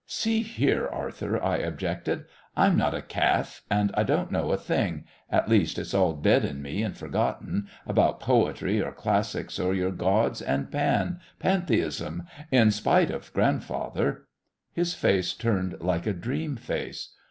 "See here, Arthur," I objected. "I'm not a Cath. And I don't know a thing at least it's all dead in me and forgotten about poetry or classics or your gods and pan pantheism in spite of grandfather " His face turned like a dream face.